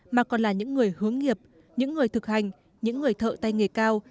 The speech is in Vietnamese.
mà còn là những người hướng nghiệp những người thực hành những người thợ tay nghề cao